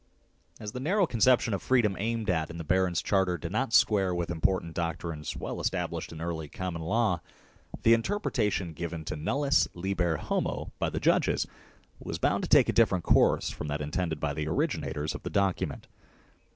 As the narrow conception of freedom aimed at in the barons' charter did not square with important doctrines well established in early Common Law, the interpretation given to 11 Nullus liber homo " by the judges was bound to take a different course from that intended by the origi nators of the document.